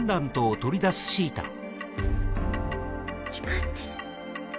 光ってる。